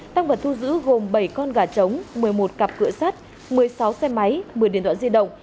tăng vật thu giữ gồm bảy con gà trống một mươi một cặp cửa sắt một mươi sáu xe máy một mươi điện thoại di động